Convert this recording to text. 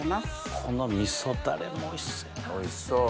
この味噌ダレもおいしそうやな。